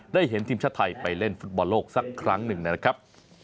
เห็นทีมชาติไทยไปเล่นฟุตบอลโลกสักครั้งหนึ่งนะครับ